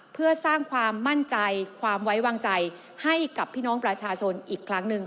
เพื่อสร้างความมั่นใจความไว้วางใจให้กับพี่น้องประชาชนอีกครั้งหนึ่ง